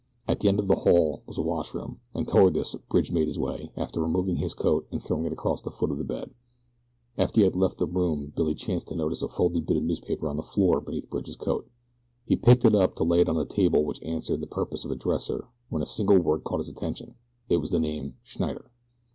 At the end of the hall was a washroom, and toward this Bridge made his way, after removing his coat and throwing it across the foot of the bed. After he had left the room Billy chanced to notice a folded bit of newspaper on the floor beneath Bridge's coat. He picked it up to lay it on the little table which answered the purpose of a dresser when a single word caught his attention. It was a name: Schneider.